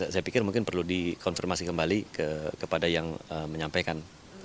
saya pikir mungkin perlu dikonfirmasi kembali kepada yang menyampaikan